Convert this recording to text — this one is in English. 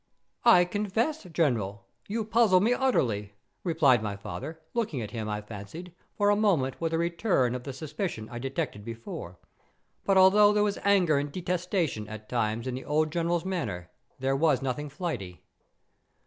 "I confess, General, you puzzle me utterly," replied my father, looking at him, I fancied, for a moment with a return of the suspicion I detected before. But although there was anger and detestation, at times, in the old General's manner, there was nothing flighty.